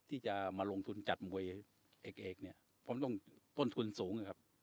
ที่จะมาลงทุนจัดมวยเอกเนี่ยผมต้องต้นทุนสูงนะครับ